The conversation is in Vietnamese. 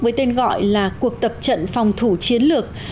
với tên gọi là cuộc tập trận phòng thủ chiến lược